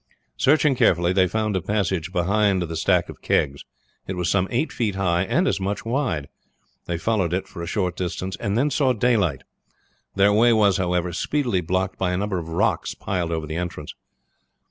Searching carefully they found a passage behind the stack of kegs. It was some eight feet high and as much wide. They followed it for a short distance, and then saw daylight. Their way was, however, speedily blocked by a number of rocks piled over the entrance.